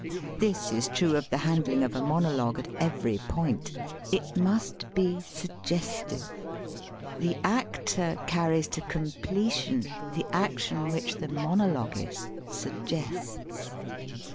This is true of the handling of a monologue at ev ery point. It must be suggestive. The actor carries to completion the action which the monologuist suggests.